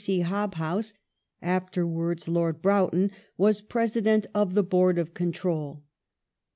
C. Hobhouse (afterwards Lord Broughton) was President of the Board of Control.